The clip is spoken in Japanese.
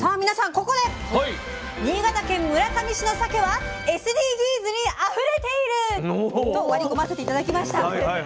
ここで「新潟県村上市のさけはＳＤＧｓにあふれている」と割り込ませて頂きました。